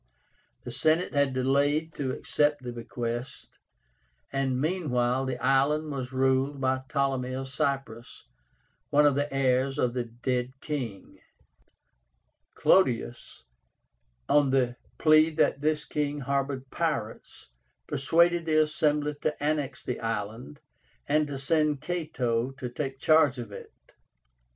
The Senate had delayed to accept the bequest, and meanwhile the island was ruled by Ptolemy of Cyprus, one of the heirs of the dead king. Clodius, on the plea that this king harbored pirates, persuaded the Assembly to annex the island, and to send Cato to take charge of it.